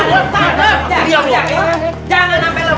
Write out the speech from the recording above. jangan sampai lepas